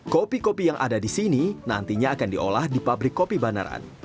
kopi kopi yang ada di sini nantinya akan diolah di pabrik kopi banaran